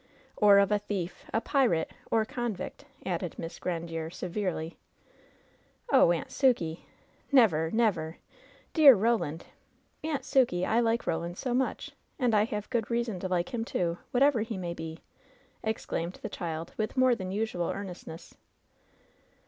"Or of a thief, or pirate, or convict," added Misa Grandiere, severely. "Oh, Aunt Sukey I Never ! Never f Dear Roland I Aimt Sukey, I like Roland so much I And I have good reason to like him, too, whatever he may be !" exclaimed the child, with more than usual earnestness.